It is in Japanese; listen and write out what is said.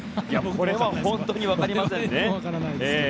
これは本当に分かりませんね。